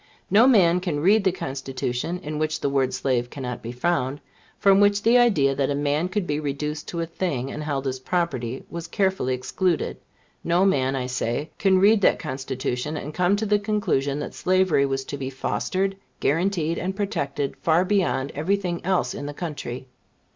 No man can read the Constitution in which the word slave cannot be found; from which the idea that a man could be reduced to a thing, and held as property, was carefully excluded no man, I say, can read that Constitution, and come to the conclusion that slavery was to be fostered, guaranteed and protected far beyond every thing else in the country.